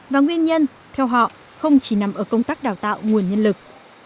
và nguyên nhân theo họ không chỉ nằm ở công tác đào tạo nguồn nhân lực